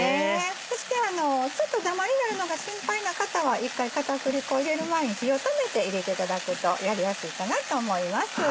そしてちょっとダマになるのが心配な方は一回片栗粉入れる前に火を止めて入れていただくとやりやすいかなと思います。